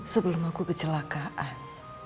sebelum aku kecelakaan